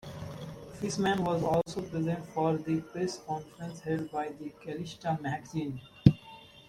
Fishman was also present for the press conference held by the Calista magazine.